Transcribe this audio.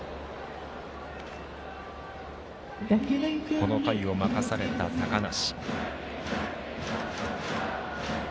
この回を任された高梨。